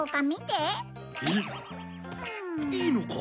いいのか？